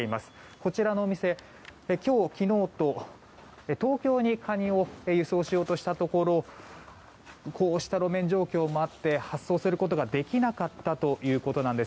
こちらのお店、今日昨日と東京にカニを輸送しようとしたところこうした路面状況もあって発送することができなかったということなんです。